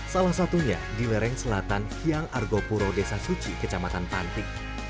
salah satunya di lereng selatan hyang argopuro desa suci kecamatan pantik